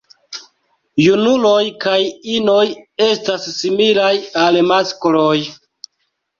Junuloj kaj inoj estas similaj al maskloj.